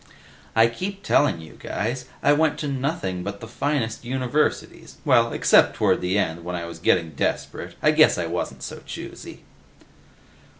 "I keep telling you guys; I went to nothing but the finest universities. Well, except toward the end, when I was getting desperate, I guess I wasn't so choosy."